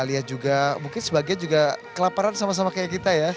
kita lihat juga mungkin sebagian juga kelaparan sama sama kayak kita ya